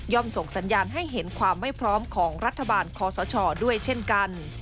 ส่งสัญญาณให้เห็นความไม่พร้อมของรัฐบาลคอสชด้วยเช่นกัน